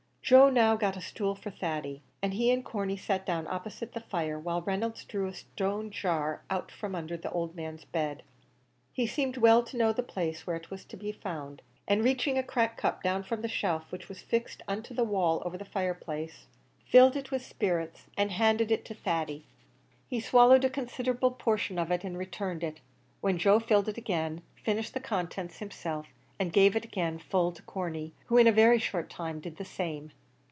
Joe now got a stool for Thady; and he and Corney sat down opposite the fire, while Reynolds drew a stone jar out from beneath the old man's bed he seemed well to know the place where it was to be found and reaching a cracked cup down from a shelf which was fixed into the wall over the fire place, filled it with spirits and handed it to Thady. He swallowed a considerable portion of it and returned it, when Joe filled it again, finished the contents himself, and gave it again full to Corney, who in a very short time did the same.